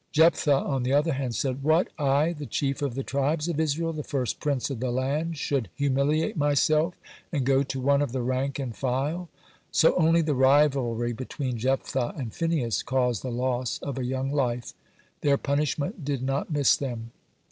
Jephthah on the other hand said: "What! I, the chief of the tribes of Israel, the first prince of the land, should humiliate myself and go to one of the rank and file!" So only the rivalry between Jephthah and Phinehas caused the loss of a young life. Their punishment did not miss them.